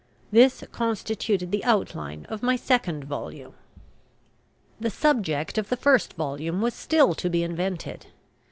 This constituted the outline of my second volume. The subject of the first volume was still to be invented.